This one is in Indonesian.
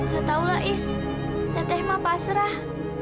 gak tahulah is tete mah pasrah